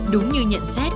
đúng như nhận xét